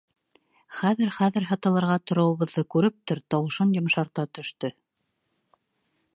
Хәҙер-хәҙер һытылырға тороуыбыҙҙы күрептер, тауышын йомшарта төштө.